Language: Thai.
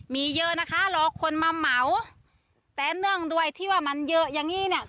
มีเยอะนะคะรอคนมาเหมาแต่เนื่องด้วยที่ว่ามันเยอะอย่างงี้เนี่ย